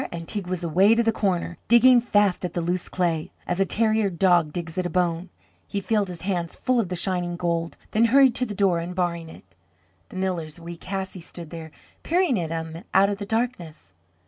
and Teig was away to the corner, digging fast at the loose clay, as a terrier digs at a bone. He filled his hands full of the shining gold, then hurried to the door, unbarring it. The miller's wee Cassie stood there, peering at him out of the darkness.